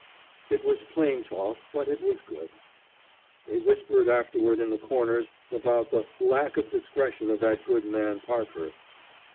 It was plain talk, but it was good. They whispered afterward in the corners about the "lack of discretion of that good man Parkhurst."